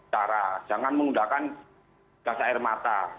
cara jangan menggunakan gas air mata